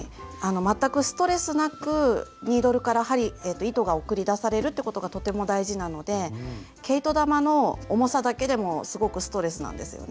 全くストレスなくニードルから糸が送り出されるってことがとても大事なので毛糸玉の重さだけでもすごくストレスなんですよね。